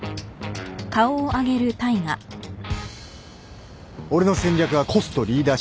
俺の戦略はコストリーダーシップ戦略。